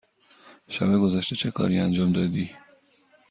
شب گذشته چه کاری انجام دادی؟